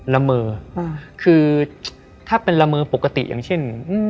ละเมอคือถ้าเป็นละเมอปกติอย่างเช่น